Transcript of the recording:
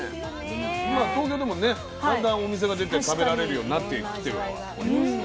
今東京でもねだんだんお店が出て食べられるようになってきてはおりますが。